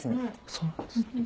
そうなんですね。